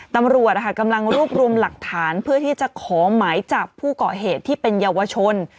ตำรวจกำลังรวบรวมหลักฐานเพื่อที่จะขอหมายจับผู้ก่อเหตุที่เป็นเยาวชน